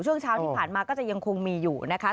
ช่วงเช้าที่ผ่านมาก็จะยังคงมีอยู่นะคะ